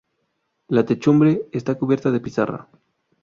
La techumbre está cubierta de pizarra.